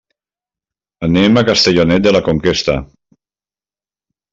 Anem a Castellonet de la Conquesta.